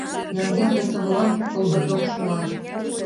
Яҥгелде совлам колдырдок шуа.